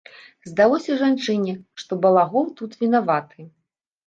Здалося жанчыне, што балагол тут вінаваты.